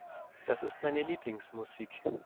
Das ist meine Lieblingsmusik.